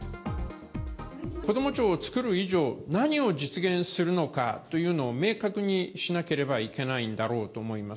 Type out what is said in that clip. こども庁を作る以上、何を実現するのかというのを明確にしなければいけないんだろうと思います。